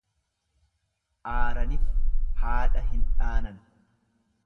Aaranif haadha hin dhaanan.